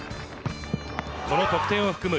この得点を含む